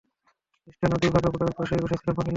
স্ট্যান, ঐ দুর্ভাগা বুড়ার পাশেই বসে ছিল মহিলা।